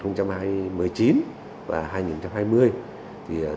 trong hai năm hai nghìn một mươi chín và hai nghìn hai mươi